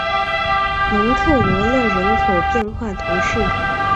龙克罗勒人口变化图示